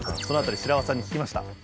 その辺り白輪さんに聞きました。